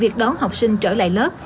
việc đón học sinh trở lại lớp